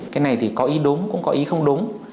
cái này thì có ý đúng cũng có ý không đúng